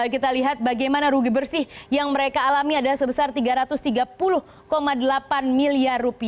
kita lihat bagaimana rugi bersih yang mereka alami adalah sebesar rp tiga ratus tiga puluh delapan miliar